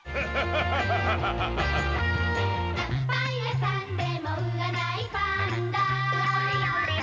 「パン屋さんでも売らないパンダ」